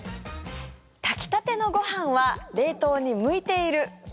炊きたてのご飯は冷凍に向いている。